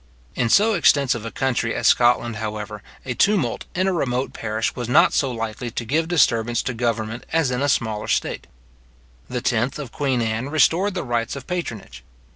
In so extensive a country as Scotland, however, a tumult in a remote parish was not so likely to give disturbance to government as in a smaller state. The 10th of queen Anne restored the rights of patronage.